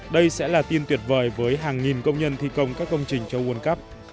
đây sẽ là tin tuyệt vời với hàng nghìn công nhân thi công các công trình châu u c